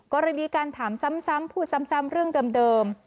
กรณีการถามซ้ำพูดซ้ำเรื่องเดิม